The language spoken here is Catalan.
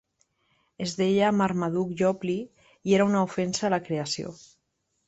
Es deia Marmaduke Jopley i era una ofensa a la creació.